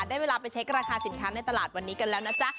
ได้เวลาไปเช็คราคาสินค้าในตลาดวันนี้กันแล้วนะจ๊ะ